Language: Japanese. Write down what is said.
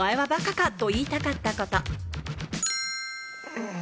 うん。